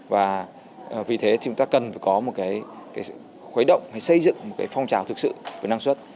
và vì thế thì chúng ta cần phải có một cái khuấy động hay xây dựng một cái phong trào thực sự với năng suất